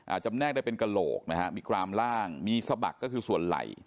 จำแนกได้เป็นกระโหลกนะฮะมีกรามล่างมีสะบักก็คือส่วนไหล่